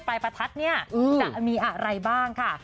ไปประทัดจะมีอะไรบ้างค่ะ